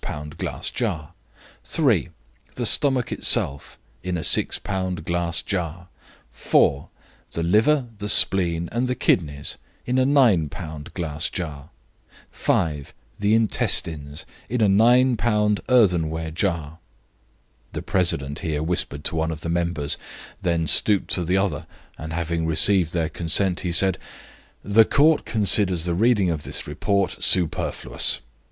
glass jar). "3. The stomach itself (in a 6 lb. glass jar). "4. The liver, the spleen and the kidneys (in a 9 lb. glass jar). "5. The intestines (in a 9 lb. earthenware jar)." The president here whispered to one of the members, then stooped to the other, and having received their consent, he said: "The Court considers the reading of this report superfluous."